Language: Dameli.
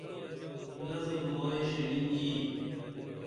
نظم مائی شِرِن یی